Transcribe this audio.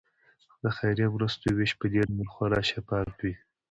د خیریه مرستو ویش په دې ډول خورا شفاف وي.